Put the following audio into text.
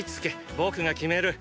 僕が決める。